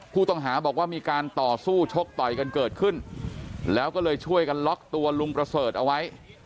ผู้ต้องหาบอกว่ามีการต่อสู้ชกต่อยกันเกิดขึ้นแล้วก็เลยช่วยกันล็อกตัวลุงประเสริฐเอาไว้